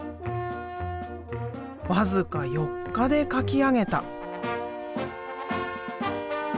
僅か４日で描き上げた。